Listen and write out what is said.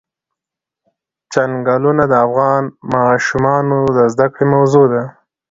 چنګلونه د افغان ماشومانو د زده کړې موضوع ده.